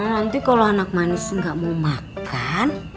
nanti kalau anak manis nggak mau makan